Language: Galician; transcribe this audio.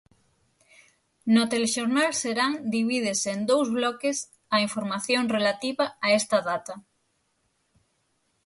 No Telexornal Serán divídese en dous bloques a información relativa a esta data.